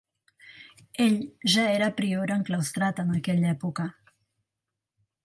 Ell ja era prior enclaustrat en aquella època.